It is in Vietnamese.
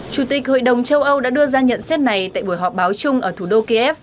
chủ tịch hội đồng châu âu đã đưa ra nhận xét này tại buổi họp báo chung ở thủ đô kiev